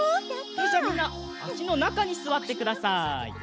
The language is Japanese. それじゃみんなあしのなかにすわってください。